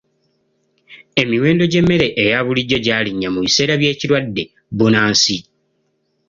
Emiwendo gy'emmere eya bulijjo gyalinnya mu biseera by'ekirwadde bbunansi.